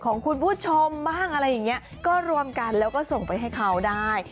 ของคุณผู้ชมบ้างอะไรอย่างนี้ก็รวมกันแล้วก็ส่งไปให้เขาได้